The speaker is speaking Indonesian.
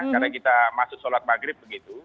karena kita masuk sholat maghrib begitu